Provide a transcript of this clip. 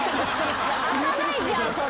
開かないじゃんそれ。